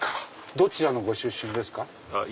どちらのご出身ですか？